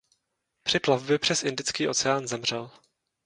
Při plavbě přes Indický oceán zemřel.